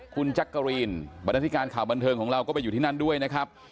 คุณจักรีนบรรดาธิการข่าวบันเทิงของเราก็ไปอยู่ที่นั่นด้วยนะครับ